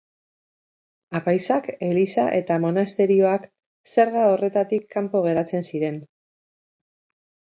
Apaizak, eliza eta monasterioak zerga horretatik kanpo geratzen ziren.